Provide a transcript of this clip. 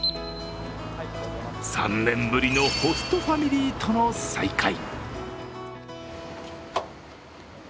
３年ぶりのホストファミリーとの再会。